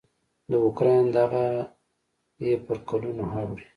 د اوکراین دغه یې پر کلونو اوړي.